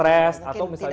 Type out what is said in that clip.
stress atau misalnya